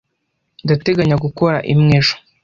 Ndateganya gukora imwe ejo.